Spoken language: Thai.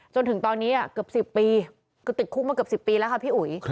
จนถึงตอนนี้เกือบ๑๐ปีคือติดคุกมาเกือบ๑๐ปีแล้วค่ะพี่อุ๋ย